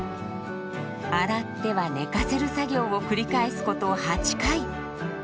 洗っては寝かせる作業を繰り返すこと８回。